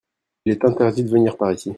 il est interdit de venir par ici.